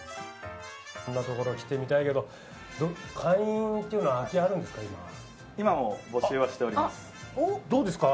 こんなところ来てみたいけど会員というのは空きがあるんですか？